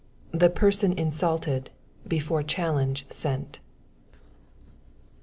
The Person Insulted, Before Challenge Sent 1.